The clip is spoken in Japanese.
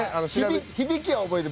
響きは覚えてる。